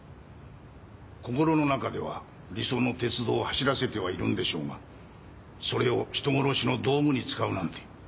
心の中では理想の鉄道を走らせてはいるんでしょうがそれを人殺しの道具に使うなんて。